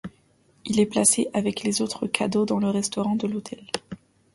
Il est placé avec les autres cadeaux dans le restaurant de l'hôtel.